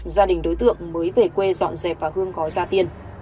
gia đình đối tượng mới về quê dọn dẹp và hương có ra tiền